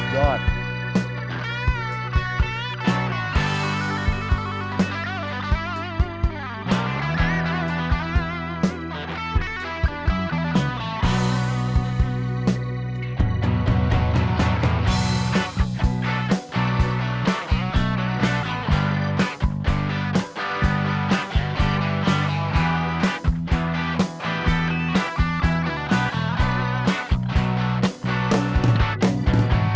อเจมส์ใช่ค่ะยอด